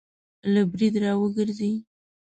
له برید را وګرځي